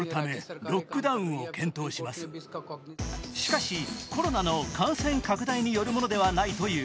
しかし、コロナの感染拡大によるものではないという。